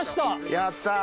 やった。